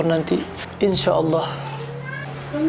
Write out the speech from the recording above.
supaya mustahak bisa lihat pemasukan kue